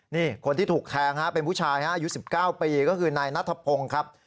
นี่คนที่ถูกแทงฮะเป็นผู้ชายฮะอยู่สิบเก้าปีก็คือนายนัทพงครับ